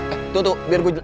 eh tuh tuh biar gue jel